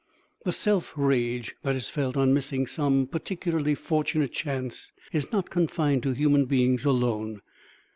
The self rage that is felt on missing some particularly fortunate chance is not confined to human beings alone.